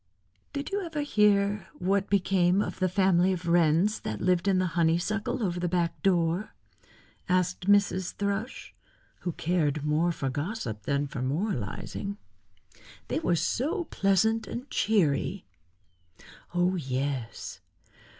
"Did you ever hear what became of the family of Wrens that lived in the honeysuckle over the back door?" asked Mrs. Thrush, who cared more for gossip than moralizing. "They were so pleasant and cheery." "Oh, yes.